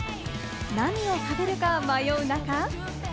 何を食べるか迷う中。